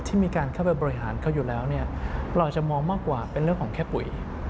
ที่มีการเข้าไปบริหารเขาอยู่แล้วเนี่ยเราจะมองมากกว่าเป็นเรื่องของแค่ปุ๋ย